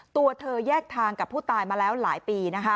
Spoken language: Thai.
ตัวเธอแยกทางกับผู้ตายมาแล้วหลายปีนะคะ